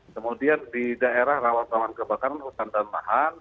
kemudian di daerah rawat rawat kebakaran hutan dan mahal